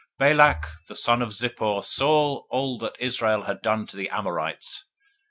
022:002 Balak the son of Zippor saw all that Israel had done to the Amorites.